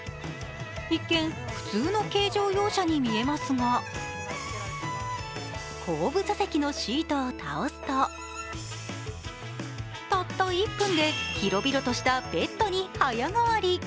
一見、普通の軽乗用車に見えますが後部座席のシートを倒すとたった１分で、広々としたベッドに早変わり。